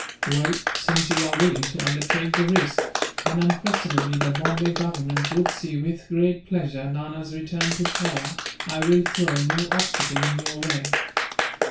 "Well, since you are willing to undertake the risk, and unquestionably the Bombay Government would see, with great pleasure, Nana's return to power, I will throw no obstacle in your way.